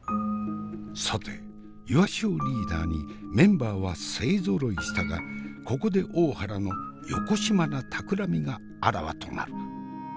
さていわしをリーダーにメンバーは勢ぞろいしたがここで大原のよこしまなたくらみがあらわとなる。